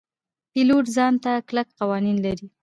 پیلوټ ځان ته کلک قوانین لري.